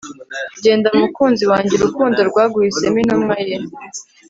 Genda mukunzi wanjye Urukundo rwaguhisemo intumwa ye